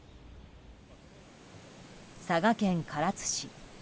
佐賀県唐津市。